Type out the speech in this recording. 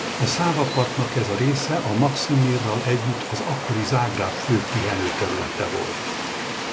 A Szávapartnak ez a része a Maksimirral együtt az akkori Zágráb fő pihenőterülete volt.